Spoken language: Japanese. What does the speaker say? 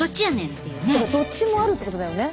だからどっちもあるってことだよね。